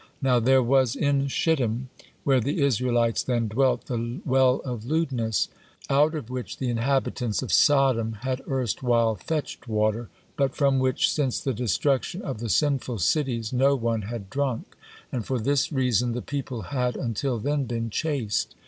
Now there was in Shittim, where the Israelites then dwelt, the "Well of Lewdness," out of which the inhabitants of Sodom had erstwhile fetched water, but from which, since the destruction of the sinful cities, no one had drunk, and for this reason the people had until then been chaste.